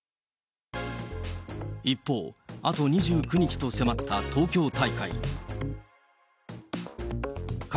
一方、あと２９日と迫った東京大会。